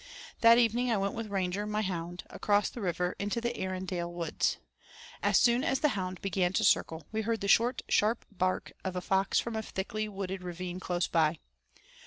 That evening I went with Ranger, my hound, across the river into the Erindale woods. As soon as the hound began to circle, we heard the short, sharp bark of a fox from a thickly wooded ravine close by.